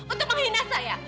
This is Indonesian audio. untuk menghina saya